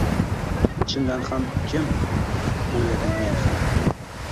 “Chindan ham, kim?” – oʻyladim men ham.